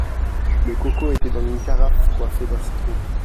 Le coco était dans une carafe coiffée d'un citron.